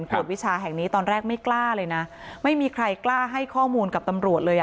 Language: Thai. ตรวจวิชาแห่งนี้ตอนแรกไม่กล้าเลยนะไม่มีใครกล้าให้ข้อมูลกับตำรวจเลยอ่ะ